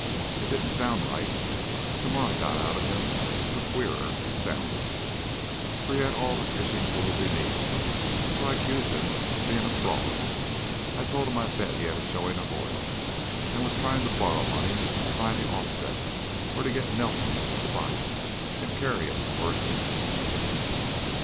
It didn't sound right. The more I got out of him, the queerer it sounded, for he had all the fishing tools he needed, so I accused him of being a fraud. I told him I'd bet he had a showing of oil and was trying to borrow money to buy the offset or to get the Nelsons to buy it and carry him for an interest."